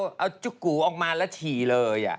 ชีเอาจุกุออกมาแล้วชีเลยอ่ะ